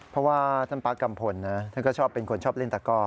เพราะว่าท่านป๊ากัมพลนะท่านก็ชอบเป็นคนชอบเล่นตะก้อ